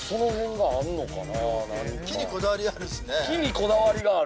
木にこだわりあるしね。